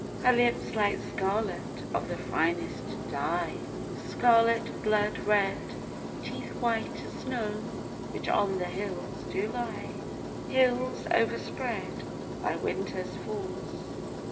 Her lips like scarlet of the finest dye, Scarlet blood red: Teeth white as snow, which on the hills do lie, Hills overspread By winter's force.